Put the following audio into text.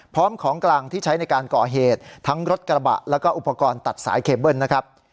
พร้อมของกลางที่ใช้ในการก่อเหตุทั้งรถกระบะแล้วก็อุปกรณ์ตัดสายเคเบิ้ลนะครับ